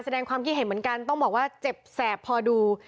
แสดงความคิดเห็นเหมือนกันต้องบอกว่าเจ็บแสบพอดู